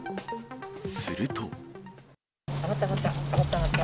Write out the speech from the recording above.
すると。